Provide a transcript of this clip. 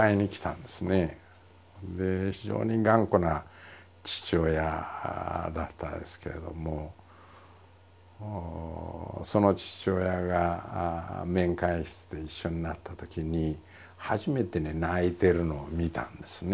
非常に頑固な父親だったですけれどもその父親が面会室で一緒になったときに初めてね泣いてるのを見たんですね。